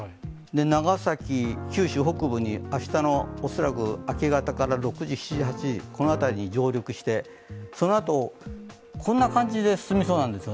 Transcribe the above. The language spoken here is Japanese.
長崎、九州北部に明日の恐らく明け方から６時、７時、８時の辺りに上陸してそのあと、こんな感じで進みそうなんです。